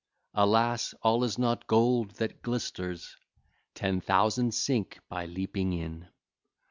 Alas! all is not gold that glisters, Ten thousand sink by leaping in.